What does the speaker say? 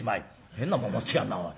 「変なもん持ってきやがんなおい。